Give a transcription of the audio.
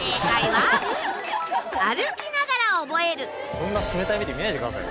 そんな冷たい目で見ないでくださいよ。